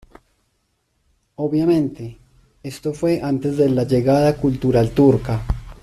Obviamente, esto fue antes de la llegada cultural turca.